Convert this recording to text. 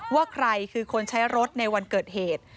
ว่าใครคือคนใช้รถในวันเกิดเหตุ